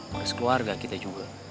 sama sekeluarga kita juga